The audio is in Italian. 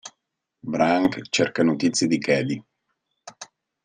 Branch cerca notizie di Cady.